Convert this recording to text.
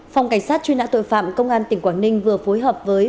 phòng cảnh sát truy nã tội phạm công an tỉnh quảng ninh vừa phối hợp với